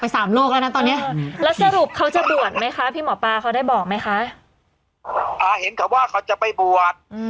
พี่หมอปลาเขาได้บอกไหมคะอ่าเห็นเขาว่าเขาจะไปบวชอืม